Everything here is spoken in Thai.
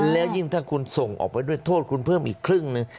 และยิ่งนีส่งออกไปด้วยโทษคุณเพิ่มอีกครึ่งนึง